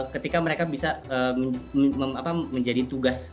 ketika mereka bisa menjadi tugas